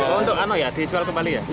untuk apa ya dijual kembali ya